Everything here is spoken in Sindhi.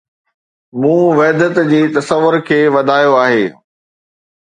مون وحدت جي تصور کي وڌايو آهي